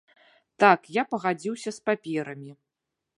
Так, я пагадзіўся з паперамі.